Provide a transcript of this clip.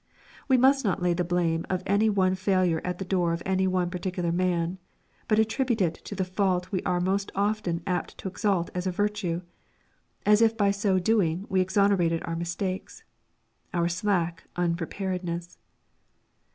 We must not lay the blame of any one failure at the door of any one particular man, but attribute it to the fault we are most often apt to exalt as a virtue as if by so doing we exonerated our mistakes our slack unpreparedness.